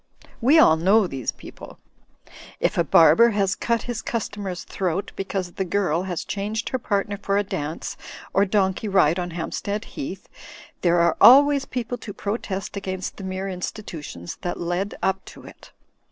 We all know these people. If a barber has cut his customer's throat because the girl has changed her partner for a dance or donkey ride on Hampstead Heath, there are always people to protest against the mere institutions that led up to it.